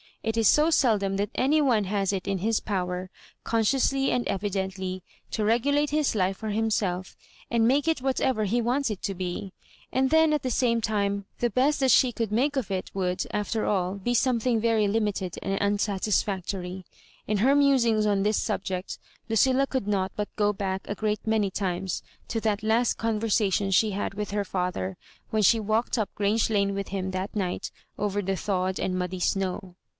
It is so seldom that any one has it in bis power, consciously and evidently, to regulate his life for hunself, and make it whatever he wants it to be. And then, at the same time, the best that she could make of it would, after all, be something very limited and unsatisfactory. In her musings on this subject, Lucilla could not but go back a great many times to that last conversation she had with her &ther, when she walked up Grange Lane with him that night over the thawed and muddy snow.